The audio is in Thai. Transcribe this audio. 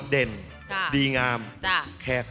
มาเยือนทินกระวีและสวัสดี